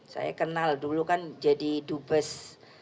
saya kenal dulu kan jadi dubes